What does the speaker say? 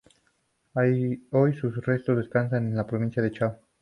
Hoy sus restos descansan en la provincia de Chaco.